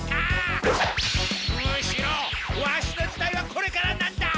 むしろワシの時代はこれからなんだ！